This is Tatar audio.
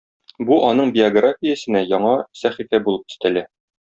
Бу аның биографиясенә яңа сәхифә булып өстәлә.